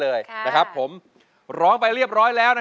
รูปสุดงามสมสังคมเครื่องใครแต่หน้าเสียดายใจทดสกัน